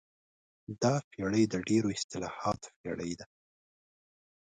دا پېړۍ د ډېرو اصطلاحاتو پېړۍ ده.